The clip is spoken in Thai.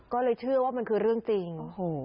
ก็เลยเชื่อว่ามันคือเรื่องจริง